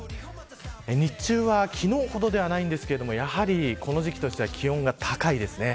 日中は昨日ほどではないんですがやはりこの時期としては気温が高いです。